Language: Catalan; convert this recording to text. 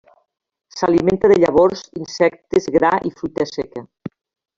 S'alimenta de llavors, insectes, gra i fruita seca.